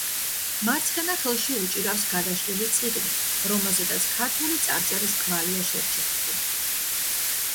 მარცხენა ხელში უჭირავს გადაშლილი წიგნი, რომელზედაც ქართული წარწერის კვალია შერჩენილი.